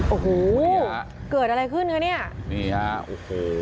โอ้โหนี่ฮะเกิดอะไรขึ้นกันเนี้ยนี่ฮะโอ้โห